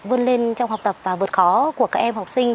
vươn lên trong học tập và vượt khó của các em học sinh